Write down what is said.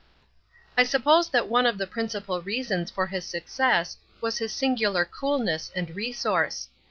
I suppose that one of the principal reasons for his success was his singular coolness and resource.